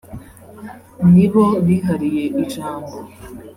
ni bo bihariye ijambo